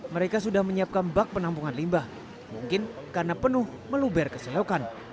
mereka sudah menyiapkan bak penampungan limbah mungkin karena penuh meluber keselokan